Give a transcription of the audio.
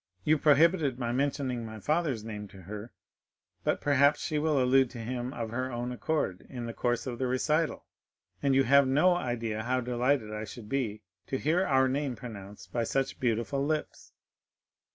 You prohibited my mentioning my father's name to her, but perhaps she will allude to him of her own accord in the course of the recital, and you have no idea how delighted I should be to hear our name pronounced by such beautiful lips."